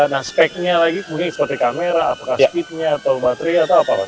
nah speknya lagi mungkin seperti kamera apakah speednya atau baterai atau apa